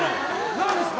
何ですか？